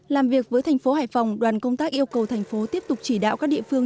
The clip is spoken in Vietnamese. làm việc với thành phố hải phòng đoàn công tác yêu cầu thành phố tiếp tục chỉ đạo các địa phương